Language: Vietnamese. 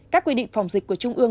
các quy định phòng dịch của trung ương